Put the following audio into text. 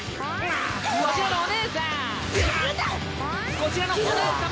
こちらのお姉さま。